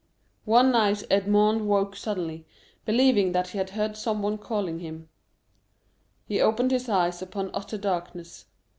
One night Edmond awoke suddenly, believing that he heard someone calling him. He opened his eyes upon utter darkness.